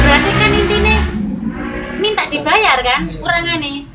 berarti kan intinya minta dibayar kan kurangannya